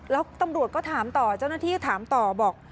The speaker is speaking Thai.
แล้วตำรวจก็ถามต่อเจ้าหน้าที่ถามต่อบอก